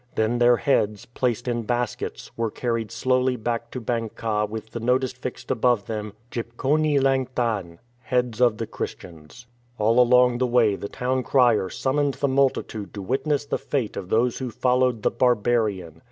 Then their heads, placed in baskets, were carried slowly back to Bang kah with the notice fixed above them, Jip Jcon e lang than (" Heads of the Christians"). All along the way the town crier summoned the multitude to witness the fate of those who followed the "barbarian".